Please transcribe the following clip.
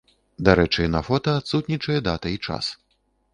Дарэчы, на фота адсутнічае дата і час.